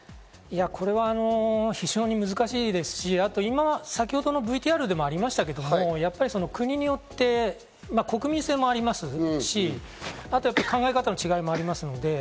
これは非常に難しいですし、先ほどのＶＴＲでもありましたけど、やっぱり国によって国民性もありますし、あと考え方の違いもありますので。